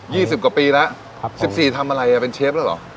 ี่สิบกว่าปีแล้วครับสิบสี่ทำอะไรอ่ะเป็นเชฟแล้วเหรอ